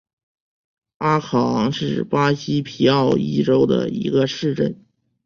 阿考昂是巴西皮奥伊州的一个市镇。